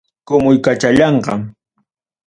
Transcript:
kumuykachallanqa.